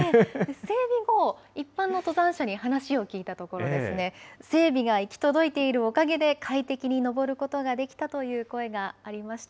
一般の登山者に話を聞いたところですね、整備が行き届いているおかげで、快適に登ることができたという声がありました。